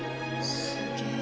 すげえ。